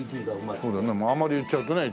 まああんまり言っちゃうとね